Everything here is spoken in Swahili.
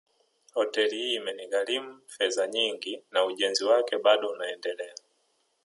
Hoteli hii imenigharimu fedha nyingi na ujenzi wake bado unaendelea